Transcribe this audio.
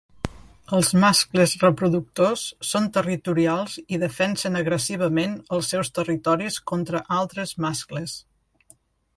Els mascles reproductors són territorials i defensen agressivament els seus territoris contra altres mascles.